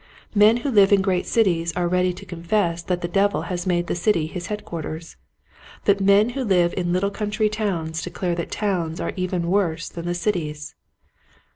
Men who live in great cities are ready to confess that the devil has made the city his headquarters ; but men who live in little country towns declare that towns are even worse than the cities.